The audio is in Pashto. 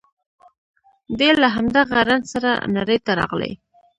دی له همدغه رنځ سره نړۍ ته راغلی